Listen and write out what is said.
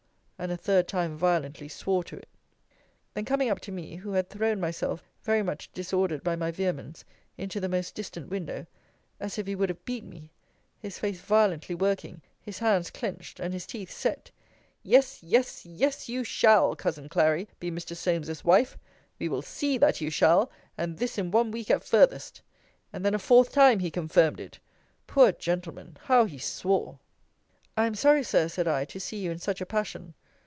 And a third time violently swore to it. Then coming up to me (who had thrown myself, very much disordered by my vehemence, into the most distant window) as if he would have beat me; his face violently working, his hands clinched, and his teeth set Yes, yes, yes, you shall, Cousin Clary, be Mr. Solmes's wife; we will see that you shall; and this in one week at farthest. And then a fourth time he confirmed it! Poor gentleman! how he swore! I am sorry, Sir, said I, to see you in such a passion.